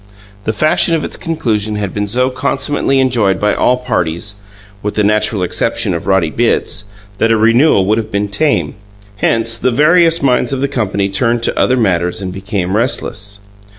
The fashion of its conclusion had been so consummately enjoyed by all parties (with the natural exception of Roddy Bitts) that a renewal would have been tame; hence, the various minds of the company turned to other matters and became restless.